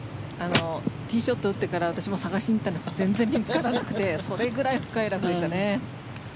ティーショットを打ってから私も探しに行ったんですけど全然見つからなくてそれぐらい深いラフでしたね。